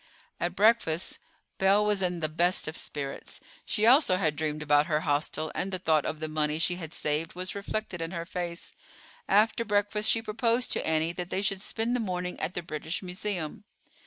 At breakfast Belle was in the best of spirits. She also had dreamed about her hostel, and the thought of the money she had saved was reflected in her face. After breakfast she proposed to Annie that they should spend the morning at the British Museum.